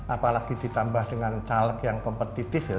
apalagi ditambah dengan caleg yang kompetitif ya